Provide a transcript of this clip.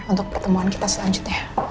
untuk pertemuan kita selanjutnya